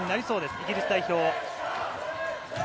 イギリス代表。